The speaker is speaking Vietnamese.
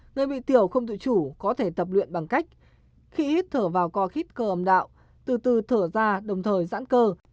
người bị tiểu không tự chủ có thể tập luyện bằng cách khi hít thở vào co khít cơ âm đạo từ từ thở ra đồng thời giãn cơ